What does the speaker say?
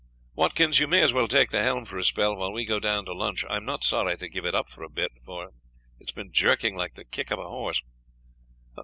"Watkins, you may as well take the helm for a spell, while we go down to lunch. I am not sorry to give it up for a bit, for it has been jerking like the kick of a horse.